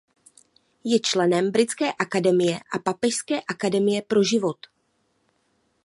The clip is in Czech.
Je členem Britské akademie a Papežské akademie pro život.